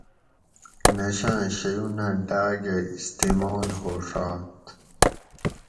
نشاۤں شیونہ ڈاۤگہ استعمال ہوڛات